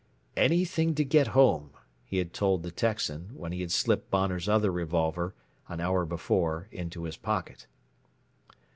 "Anything to get home," he had told the Texan when he had slipped Bonner's other revolver, an hour before, into his pocket.